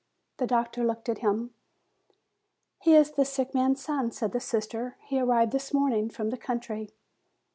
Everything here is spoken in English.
The doctor looked at him. "He is the sick man's son," said the sister; "he arrived this morning from the country."